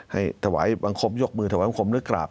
ให้ถวายบังคมยกมือถวายบังคมนึกกราบ